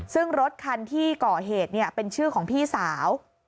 ซึ่งรถคันที่ก่อเหตุเป็นชื่อของพี่สาว